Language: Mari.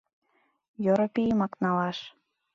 Йоропийымак налаш.